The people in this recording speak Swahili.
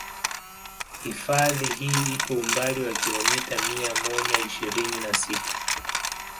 Hifadhi hii ipo umbali wa kilomita mia moja ishirini na sita